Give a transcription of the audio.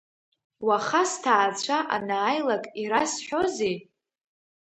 Уаха сҭаацәа анааилак ирасҳәозеи?